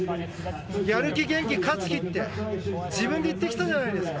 やる気、元気、勝木って自分で言ったきたじゃないですか。